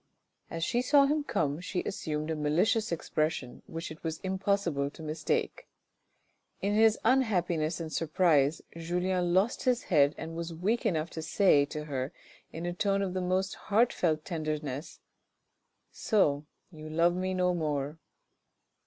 As she saw him come, she assumed a malicious expression which it was impossible to mistake. In his unhappiness and surprise Julien lost his head and was weak enough to say to her in a tone of the most heartfelt tenderness. " So you love me no more."